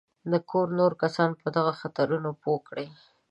د کور نور کسان په دغو خطرونو پوه کړي.